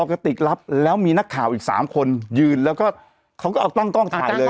ปกติรับแล้วมีนักข่าวอีก๓คนยืนแล้วก็เขาก็เอากล้องถ่ายเลย